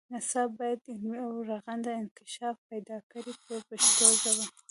نصاب باید علمي او رغنده انکشاف پیدا کړي په پښتو ژبه.